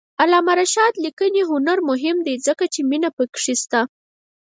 د علامه رشاد لیکنی هنر مهم دی ځکه چې مینه پکې شته.